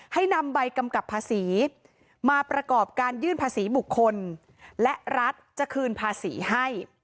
ให้นำใบกำกับภาษีมาประกอบการยื่นภาษีบุคคลและรัฐจะคืนภาษีให้